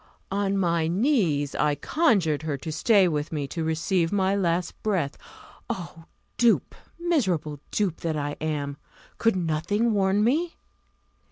"On my knees I conjured her to stay with me to receive my last breath. Oh, dupe, miserable dupe, that I am! could nothing warn me?